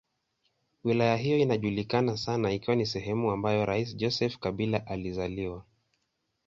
Wilaya hiyo inajulikana sana ikiwa ni sehemu ambayo rais Joseph Kabila alizaliwa.